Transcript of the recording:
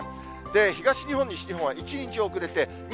東日本、西日本は１日遅れて、日、